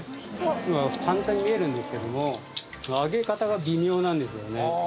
今簡単に見えるんですけども揚げ方が微妙なんですよね